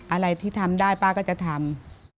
อะไรที่ทำได้ป้าก็จะทำ